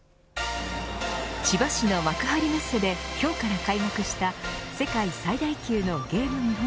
千葉市の幕張メッセで今日から開幕した世界最大級のゲーム見本